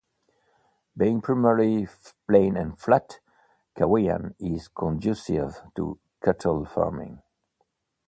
Being primarily plain and flat, Cawayan is conducive to cattle farming.